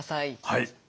はい。